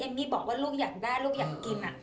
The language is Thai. มี่บอกว่าลูกอยากได้ลูกอยากกิน